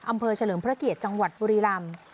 อำเภอเฉลิมพระเกียรติจังหวัดบริรัมน์